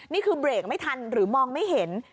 นี่คือเบรกไม่ทันหรือมองไม่เห็น